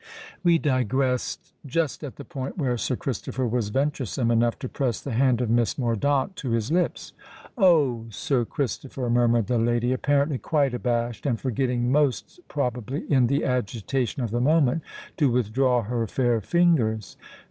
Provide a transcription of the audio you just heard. We digressed just at the point where Sir Christopher was venturesome enough to press the hand of Miss Mordaunt to his lips. "Oh! Sir Christopher," murmured the lady, apparently quite abashed, and forgetting, most probably in the agitation of the moment, to withdraw her fair fingers.